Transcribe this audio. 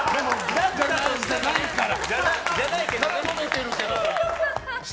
だったらじゃないから！